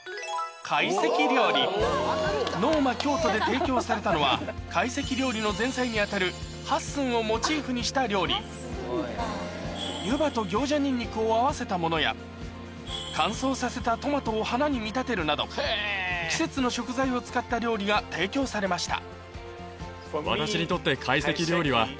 ＮｏｍａＫｙｏｔｏで提供されたのは懐石料理の前菜に当たる八寸をモチーフにした料理湯葉と行者ニンニクを合わせたものや乾燥させたトマトを花に見立てるなど季節の食材を使った料理が提供されました私にとって。